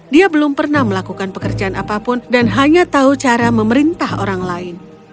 dia belum pernah melakukan pekerjaan apapun dan hanya tahu cara memerintah orang lain